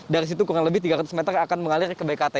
dari situ kurang lebih tiga ratus meter akan mengalir ke bkt